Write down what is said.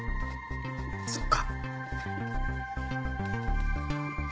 そっか。